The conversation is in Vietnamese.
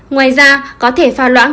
ngoài ra có thể pha loãng bệnh